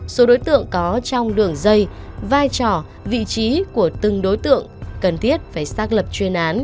số đối tượng có trong đường dây vai trò vị trí của từng đối tượng cần thiết phải xác lập chuyên án